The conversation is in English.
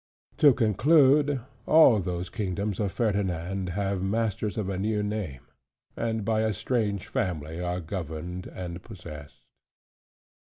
To conclude, all those kingdoms of Ferdinand have masters of a new name; and by a strange family are governed and possessed.